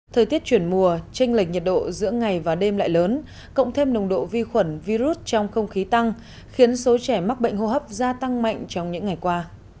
thời tiết chuyển mùa tranh lệch nhiệt độ giữa ngày và đêm lại lớn cộng thêm nồng độ vi khuẩn virus trong không khí tăng khiến số trẻ mắc bệnh hô hấp gia tăng mạnh trong những ngày qua